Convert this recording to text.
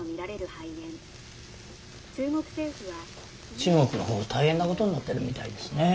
中国の方大変なことになってるみたいですね。